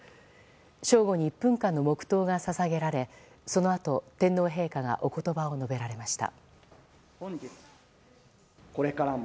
正午に１分間の黙祷が捧げられそのあと、天皇陛下がお言葉を述べられました。